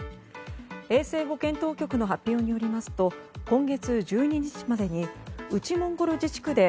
衛生保健当局の発表によりますと今月１２日までに内モンゴル自治区で